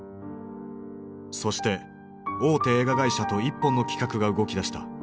そして大手映画会社と一本の企画が動きだした。